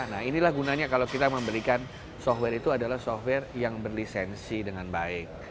nah inilah gunanya kalau kita memberikan software itu adalah software yang berlisensi dengan baik